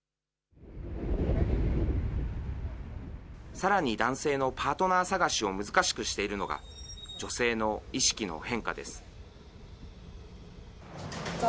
さらに男性のパートナー探しを難しくしているのが、女性の意識の変化です。